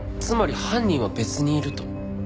つまり犯人は別にいると？